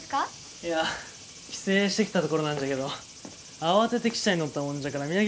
いや帰省してきたところなんじゃけど慌てて汽車に乗ったもんじゃから土産を買いそびれてしもうて。